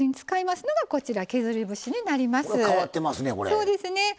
そうですね。